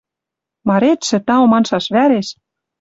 Маретшӹ тау маншаш вӓреш